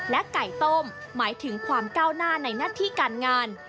ไก่ต้มหมายถึงความก้าวหน้าในหน้าที่การงาน